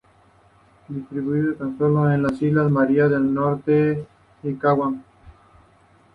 Distribuido tan sólo en las islas Marianas del Norte y Guam.